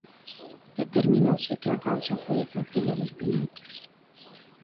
Determinouse que a causa foi a fatiga dos pilotos.